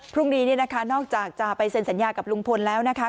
พรุ่งนี้เนี่ยนะคะนอกจากจะไปเซ็นสัญญากับลุงพลแล้วนะคะ